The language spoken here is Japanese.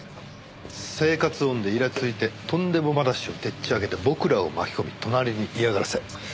生活音でイラついてとんでも話をでっち上げて僕らを巻き込み隣に嫌がらせ参りましたね。